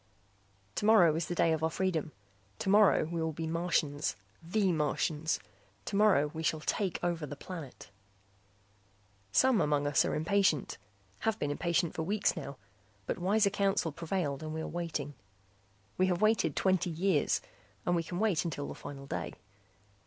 Tomorrow is the day of our freedom. Tomorrow we will be Martians, the Martians. Tomorrow we shall take over the planet. Some among us are impatient, have been impatient for weeks now, but wiser counsel prevailed and we are waiting. We have waited twenty years and we can wait until the final day.